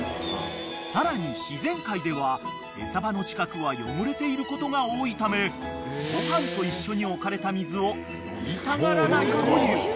［さらに自然界では餌場の近くは汚れていることが多いためご飯と一緒に置かれた水を飲みたがらないという］